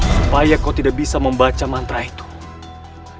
supaya kau tidak bisa membaca mantra ilmu karam